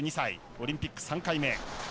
オリンピック３回目。